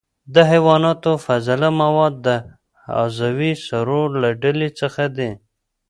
د حیواناتو فضله مواد د عضوي سرو له ډلې څخه دي.